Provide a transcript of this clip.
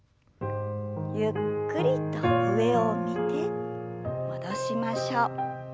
ゆっくりと上を見て戻しましょう。